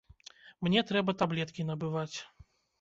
Мне трэба таблеткі набываць.